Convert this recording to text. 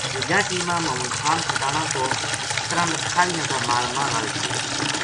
جوجاٹی ما محمد خان کھٹانو کو ترنڈ کھاہریاں کا مال ما رَل گیو